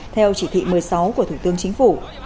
theo chỉ thị một mươi sáu của thủ tướng chính phủ